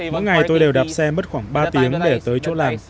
mỗi ngày tôi đều đạp xe mất khoảng ba tiếng để tới chỗ làm